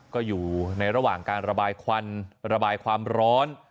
ก็อยู่ในระหว่างการระบายควันระบายความร้อน